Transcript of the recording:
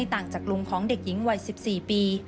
ต่างจากลุงของเด็กหญิงวัย๑๔ปี